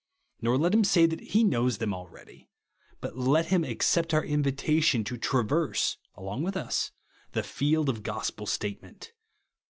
Nor let him say that he knows them already ; but let him accept our invitation, to traverse, along with us, the field of gospel statement.